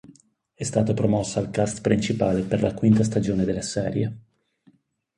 È stata promossa al cast principale per la quinta stagione della serie.